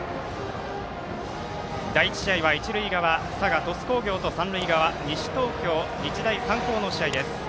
第１試合は一塁側佐賀、鳥栖工業と三塁側、西東京日大三高の試合です。